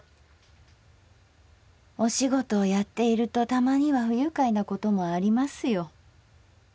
「お仕事をやっているとたまには不愉快なこともありますよ。